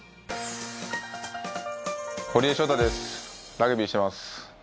ラグビーしてます。